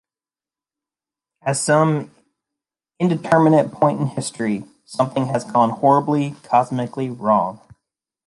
At some indeterminate point in history, something has gone horribly, cosmically wrong.